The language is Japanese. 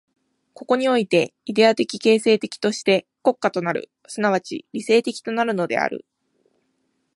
ここにおいてイデヤ的形成的として国家となる、即ち理性的となるのである。